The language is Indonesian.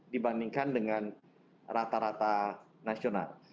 dibandingkan dengan rata rata nasional